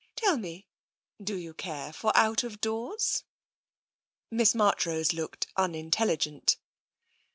Tell me, do you care for out of doors? " Miss Marchrose looked unintelligent.